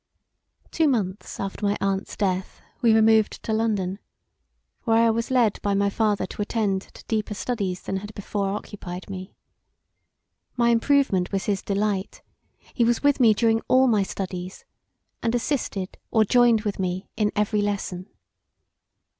Two months after my aunt's death we removed to London where I was led by my father to attend to deeper studies than had before occupied me. My improvement was his delight; he was with me during all my studies and assisted or joined with me in every lesson.